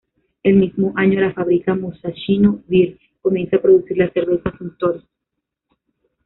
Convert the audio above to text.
El mismo año, la fábrica Musashino Beer comienza a producir la cerveza Suntory.